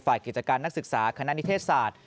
กิจการนักศึกษาคณะนิเทศศาสตร์